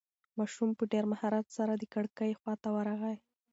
ماشوم په ډېر مهارت سره د کړکۍ خواته ورغی.